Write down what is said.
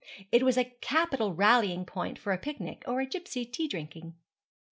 It was a capital rallying point for a picnic or a gipsy tea drinking.